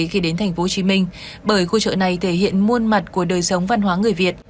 khi đến thành phố hồ chí minh bởi khu chợ này thể hiện muôn mặt của đời sống văn hóa người việt